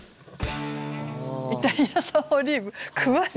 イタリア産オリーブ詳しいですね。